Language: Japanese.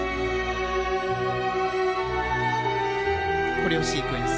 コレオシークエンス。